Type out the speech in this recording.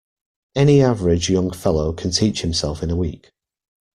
Any average young fellow can teach himself in a week.